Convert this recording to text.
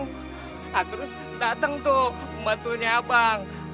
hah terus datang tuh pembantunya abang